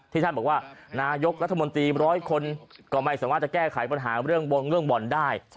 ที่ท่านบอกว่านายกรัฐมนตรี๑๐๐คนก็ไม่สามารถจะแก้ไขปัญหาเรื่องบ่อนได้